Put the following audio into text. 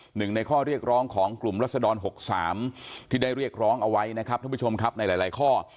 หนึ่งในข้อเรียกร้องของกลุ่มรัศดร๖๓ที่ได้เรียกร้องเอาไว้นะครับท่านผู้ชมครับในหลายข้อ